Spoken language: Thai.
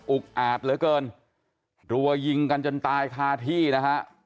อาจเหลือเกินรัวยิงกันจนตายคาที่นะฮะ